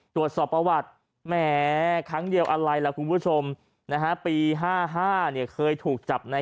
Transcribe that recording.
โทษทีไปเห็นมันเผอใจมันเผอใจ